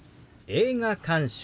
「映画鑑賞」。